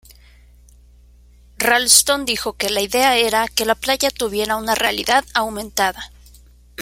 Ralston dijo que “la idea era que la playa tuviera una realidad aumentada.